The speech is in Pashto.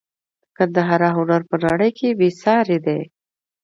د ګندهارا هنر په نړۍ کې بې ساري دی